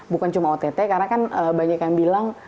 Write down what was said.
bukan cuma ott karena kan banyak yang bilang